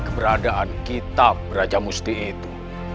keberadaan kitab raja musti itu